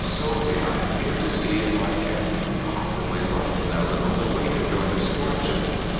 Solely I am here to see if I can possibly lighten a little the weight of your misfortune.